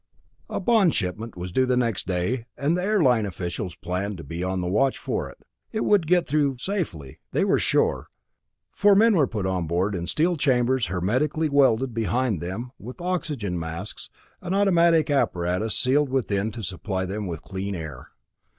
A bond shipment was due the next day, and the airline officials planned to be on the watch for it. It would get through safely, they were sure, for men were put on board in steel chambers hermetically welded behind them, with oxygen tanks and automatic apparatus sealed within to supply them with clean air.